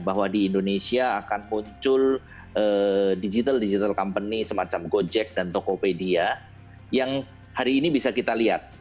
bahwa di indonesia akan muncul digital digital company semacam gojek dan tokopedia yang hari ini bisa kita lihat